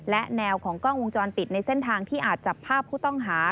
และแนวของกล้องวงจรปิดในเส้นทางที่อาจจับภาพผู้ต้องหา